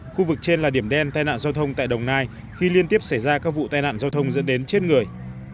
khu vực trên là điểm đen tai nạn giao thông tại đồng nai khi liên tiếp xảy ra các vụ tai nạn giao thông dẫn đến chết người